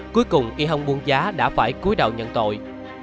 cuối cùng y hồng buông giá đã phải cuối đầu nhận tội